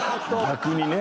逆にね。